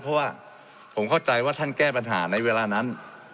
เพราะว่าผมเข้าใจว่าท่านแก้ปัญหาในเวลานั้น